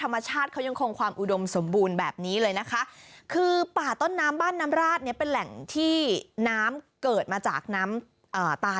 มันสวยมากธรรมชาติ